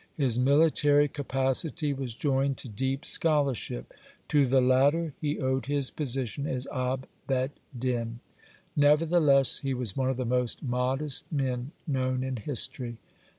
His military capacity was joined to deep scholarship. To the latter he owed his position as Ab Bet Din. (108) Nevertheless he was one of the most modest men known in history.